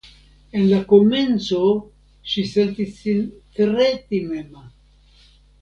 En la komenco ŝi sentis sin tre timema.